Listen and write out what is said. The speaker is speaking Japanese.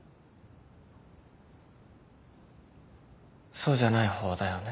そうじゃない方だよね。